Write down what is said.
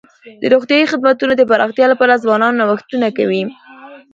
د روغتیايي خدمتونو د پراختیا لپاره ځوانان نوښتونه کوي.